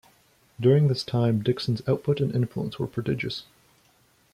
During this time Dixon's output and influence were prodigious.